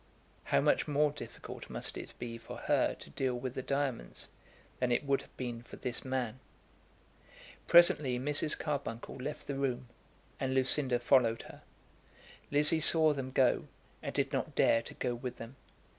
How much more difficult must it be for her to deal with the diamonds than it would have been for this man. Presently Mrs. Carbuncle left the room, and Lucinda followed her. Lizzie saw them go, and did not dare to go with them.